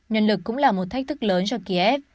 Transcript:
nhân lực cũng là một thách thức lớn cho kiev